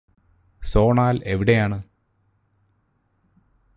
സോണാൽ എവിടെയാണ്